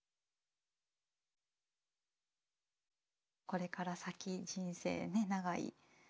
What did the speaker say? これから先人生ねっ長い。